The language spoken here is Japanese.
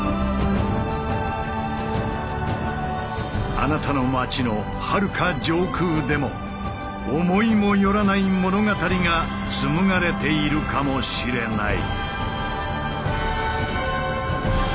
あなたの街のはるか上空でも思いもよらない物語が紡がれているかもしれない。